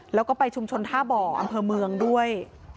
แล้วก็ไปชุมชนท่าบ่ออำเภอเมืองด้วย